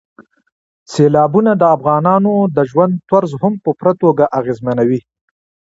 سیلابونه د افغانانو د ژوند طرز هم په پوره توګه اغېزمنوي.